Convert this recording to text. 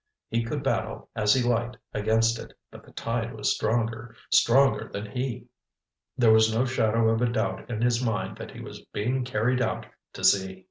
He could battle as he liked against it, but the tide was stronger, stronger than he. There was no shadow of doubt in his mind that he was being carried out to sea.